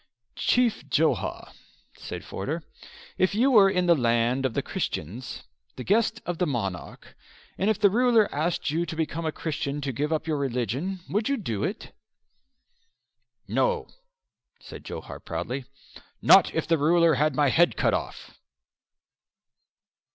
"Chief Johar," said Forder, "if you were in the land of the Christians, the guest of the monarch, and if the ruler asked you to become a Christian and give up your religion would you do it?" "No," said Johar proudly, "not if the ruler had my head cut off."